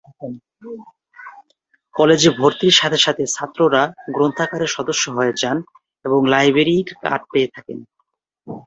কলেজে ভর্তির সাথে সাথে ছাত্ররা গ্রন্থাগারের সদস্য হয়ে যান এবং লাইব্রেরি কার্ড পেয়ে যান।